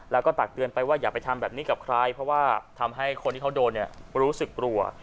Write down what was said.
แล้วก็ตักเตือนไปว่าอย่าไปทำแบบนี้กับใครเพราะว่าทำให้คนที่เขาโดนเนี่ยรู้สึกกลัว